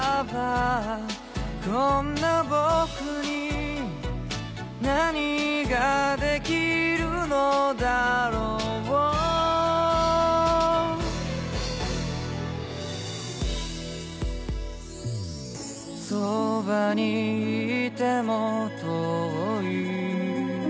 「こんな僕に何ができるのだろう」「そばにいても遠い」